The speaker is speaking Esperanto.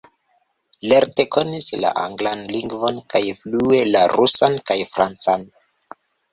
Lerte konis la anglan lingvon kaj flue la rusan kaj francan.